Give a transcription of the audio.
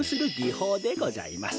ほうでございます。